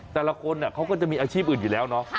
แต่ละคนเขาก็จะมีอาชีพอื่นอยู่แล้วเนาะ